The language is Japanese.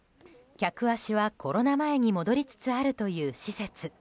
客足はコロナ前に戻りつつあるという施設。